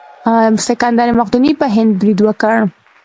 سکندر مقدوني په هند برید وکړ.